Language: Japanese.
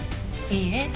いいえ。